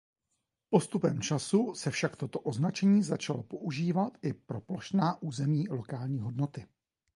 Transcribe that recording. Postupem času se však toto označení začalo používat i pro plošná území lokální hodnoty.